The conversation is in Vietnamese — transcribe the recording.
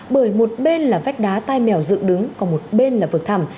bởi một bên là vách đá tai mèo dựng đứng còn một bên là vực thầm